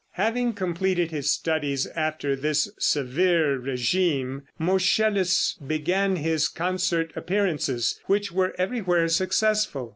Having completed his studies after this severe régime, Moscheles began his concert appearances, which were everywhere successful.